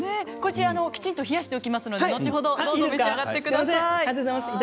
こちら、きちんと冷やしておきますので後ほど召し上がってください。